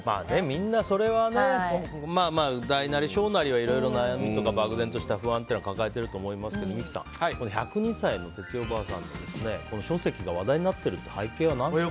みんな、それは大なり小なりはいろいろ悩みとか漠然とした不安は抱えてると思いますが三木さん、１０２歳の哲代おばあちゃんの書籍が話題になっている背景は何ですか？